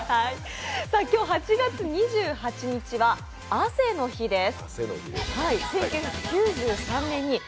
今日８月２８日は汗の日です。